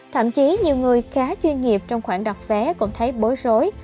thậm chí nhiều người khá chuyên nghiệp trong khoản đặt vé cũng thấy bối rối